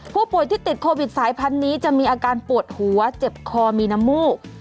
ผู้ป่วยที่ติดโควิดสายพันธุ์นี้จะมีอาการปวดหัวเจ็บคอมีน้ำมูก